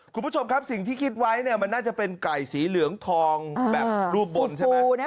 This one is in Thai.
คุณผู้ชมครับสิ่งที่คิดไว้เนี่ยมันน่าจะเป็นไก่สีเหลืองทองแบบรูปบนใช่ไหม